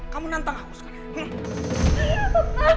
kamu nantang aku sekarang